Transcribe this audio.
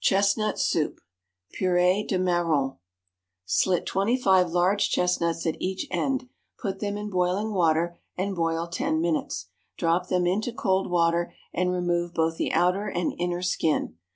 Chestnut Soup (purée de marrons). Slit twenty five large chestnuts at each end, put them in boiling water, and boil ten minutes. Drop them into cold water, and remove both the outer and inner skin.